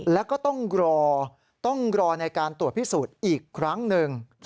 แล้วก็ต้องรอต้องรอในการตรวจพิสูจน์อีกครั้งหนึ่ง